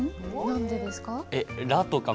何でですか？